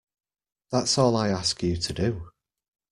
That's all I ask you to do.